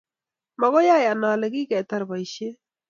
Makoi ayan ale kiketar boishet